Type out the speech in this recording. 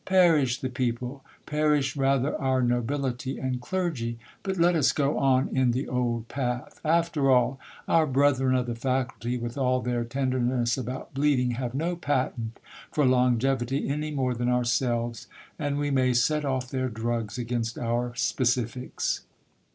Perish the people, perish rather our nobility and clergy ! But let us go on in the old path. After all, our brethren of the faculty, with all their ten derness about bleeding, have no patent for longevity any more than ourselves ; and we may set off their drugs against our specifics.